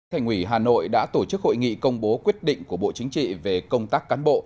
thành ủy hà nội đã tổ chức hội nghị công bố quyết định của bộ chính trị về công tác cán bộ